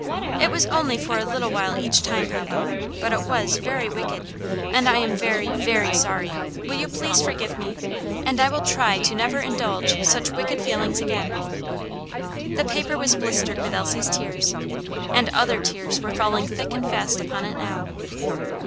It was only for a little while each time, papa, but it was very wicked, and I am very, very sorry; will you please forgive me? and I will try never to indulge such wicked feelings again." The paper was blistered with Elsie's tears, and other tears were falling thick and fast upon it now.